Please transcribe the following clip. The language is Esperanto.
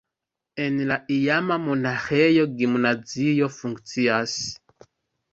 En la iama monaĥejo gimnazio funkcias.